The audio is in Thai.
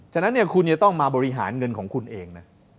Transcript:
ฉะนั้นคุณจะต้องมาบริหารเงินของคุณเองนะ